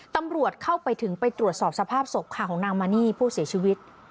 ตำรวจเข้าไปถึงไปตรวจสอบสภาพศพค่ะของนางมานี่ผู้เสียชีวิต